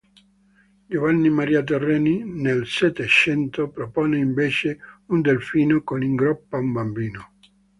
Giovanni Maria Terreni, nel Settecento, propone invece un Delfino con in groppa un bambino.